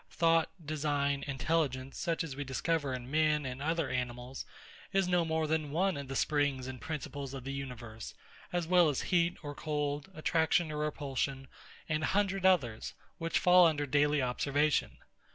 Thought, design, intelligence, such as we discover in men and other animals, is no more than one of the springs and principles of the universe, as well as heat or cold, attraction or repulsion, and a hundred others, which fall under daily observation.